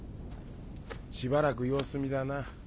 しばらく様子見だな。